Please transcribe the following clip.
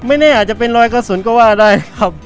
ไม่แน่อาจจะเป็นรอยกระสุนก็ว่าได้ครับ